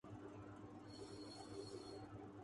یہ طبقہ تو وہ ہے۔